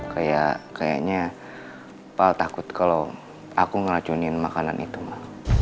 kayaknya pak al takut kalau aku ngeracunin makanan itu ma